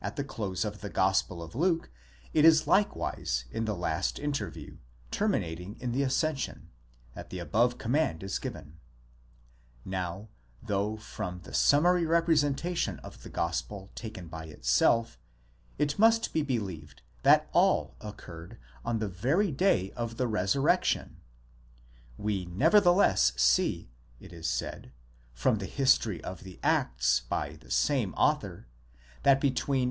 the close of the gospel of Luke it is likewise in the last interview, terminating in the ascension, that the above command is given. Now though from the summary representation of the gospel taken by itself, it must be believed that all occurred on the very day of the resurrection: we nevertheless see, it is said, from the history of the Acts by the same author, that between v.